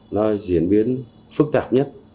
nó diễn biến phức tạp